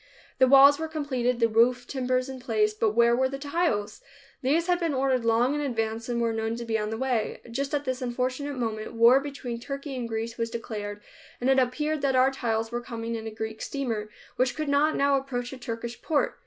The walls were completed, the roof timbers in place, but where were the tiles? These had been ordered long in advance, and were known to be on the way. Just at this unfortunate moment war between Turkey and Greece was declared and it appeared that our tiles were coming in a Greek steamer, which could not now approach a Turkish port.